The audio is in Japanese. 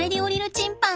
チンパン！